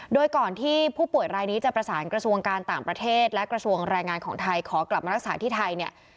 โดยก่อนที่ผู้ป่วยรายนี้จะประสานกระทรวงการต่างประเทศและกระทรวงแรงงานของไทยขอกลับมารักษาที่ไทยเนี่ย